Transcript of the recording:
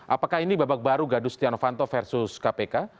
apakah ini babak baru gadus setia novanto versus kpk